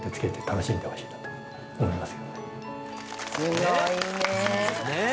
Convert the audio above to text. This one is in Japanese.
すごいね！ね！